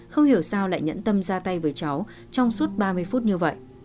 không hiểu sao lại nhẫn tâm ra tay với cháu trong suốt ba mươi phút như vậy